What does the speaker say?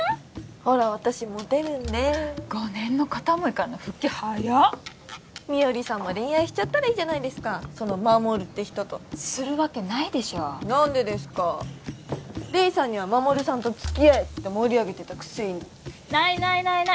ほら私モテるんで５年の片思いからの復帰早っ美織さんも恋愛しちゃったらいいじゃないですかその衛って人とするわけないでしょ何でですか黎さんには衛さんと付き合えって盛り上げてたくせにないないないない